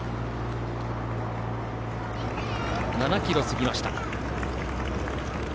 ７ｋｍを過ぎました。